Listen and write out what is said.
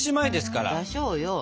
だしょうよ。